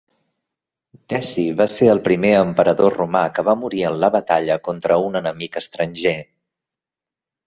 Deci va ser el primer emperador romà que va morir en la batalla contra un enemic estranger.